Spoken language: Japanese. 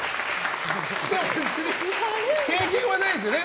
経験はないですよね？